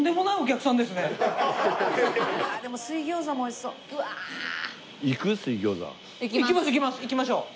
いきましょう。